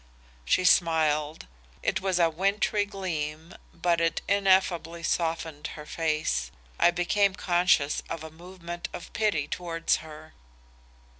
"She smiled. It was a wintry gleam but it ineffably softened her face. I became conscious of a movement of pity towards her.